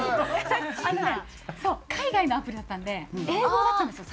あのね海外のアプリだったんで英語だったんですよ